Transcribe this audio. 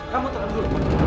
kamu tenang dulu